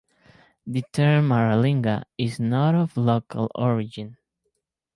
The term "maralinga" is not of local origin.